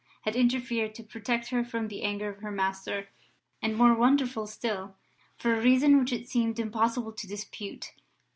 had interfered to protect her from the anger of her master, and, more wonderful still, for a reason which it seemed impossible to dispute.